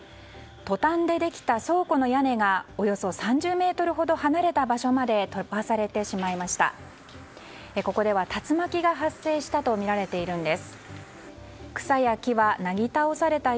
トタンでできた倉庫の屋根がおよそ３０ｍほど離れた場所まで飛ばされてしまいました。